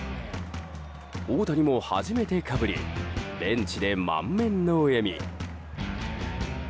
大谷も初めてかぶりベンチで満面の笑み。